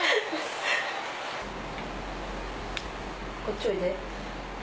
こっちおいで。